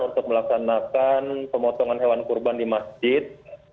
untuk melaksanakan pemotongan hewan kurban di masjid